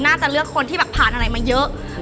น่าจะเลือกคนที่แบบผ่านอะไรมาเยอะ